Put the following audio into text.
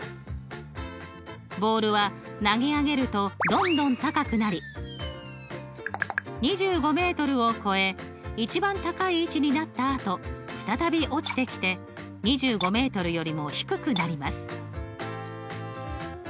ボールは投げ上げるとどんどん高くなり２５を超え一番高い位置になったあと再び落ちてきて２５よりも低くなります。